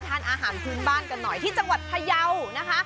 ทานอาหารพื้นบ้านกันหน่อยที่จังหวัดพยาวนะคะ